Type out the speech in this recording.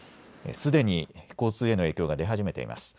すでに交通への影響が出始めています。